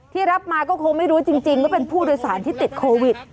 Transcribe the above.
รับมาก็คงไม่รู้จริงว่าเป็นผู้โดยสารที่ติดโควิด